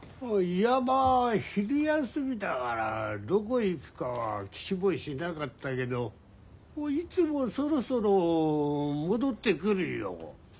いわば昼休みだからどこへ行くかは聞きもしなかったけどいつもそろそろ戻ってくるよ。